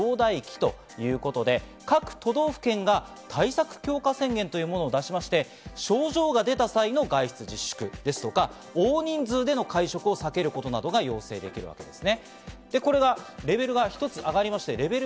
医療負荷増大期ということで、各都道府県が対策強化宣言っていうものを出しまして、症状が出た際の外出自粛ですとか、大人数での会食を避けることなどが要請できるわけです。